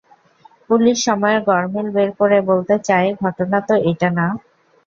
Police সময়ের গরমিল বের করে বলতে চায়, ঘটনা তো এইটা না।